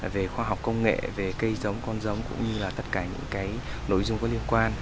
về khoa học công nghệ về cây giống con giống cũng như là tất cả những nội dung có liên quan